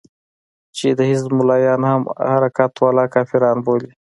چې د حزب ملايان هم حرکت والا کافران بولي.